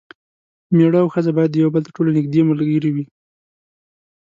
میړه او ښځه باید د یو بل تر ټولو نږدې ملګري وي.